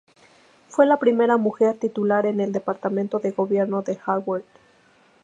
Fue la primera mujer titular en el Departamento de Gobierno de Harvard.